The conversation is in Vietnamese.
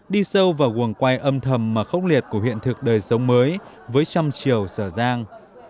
đi sâu vào quần quay âm thầm mà khốc liệt của hiện thực đời sống mới với trăm chiều sở giang